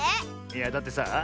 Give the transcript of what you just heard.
いやだってさあ